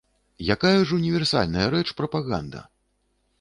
Якая ж універсальная рэч прапаганда.